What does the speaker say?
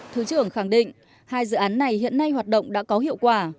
thứ trưởng khẳng định hai dự án này hiện nay hoạt động đã có hiệu quả